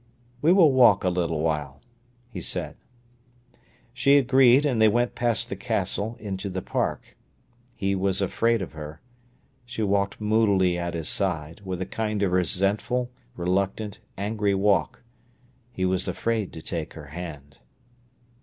"We will walk a little while," he said. She agreed, and they went past the Castle into the Park. He was afraid of her. She walked moodily at his side, with a kind of resentful, reluctant, angry walk. He was afraid to take her hand.